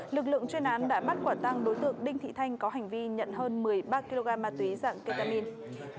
lực lượng chuyên án đã bắt quả tăng đối tượng đinh thị thanh có hành vi nhận hơn một mươi ba kg ma túy dạng ketamin